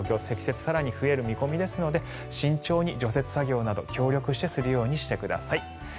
積雪、更に増える見込みですので慎重に除雪作業など協力してするようにしてください。